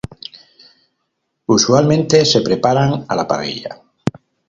Usualmente se preparan a la parrilla.